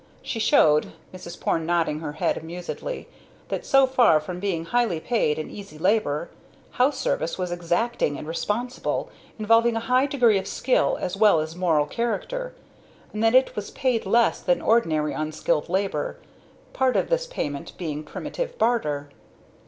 She showed (Mrs. Porne nodding her head amusedly), that so far from being highly paid and easy labor, house service was exacting and responsible, involving a high degree of skill as well as moral character, and that it was paid less than ordinary unskilled labor, part of this payment being primitive barter.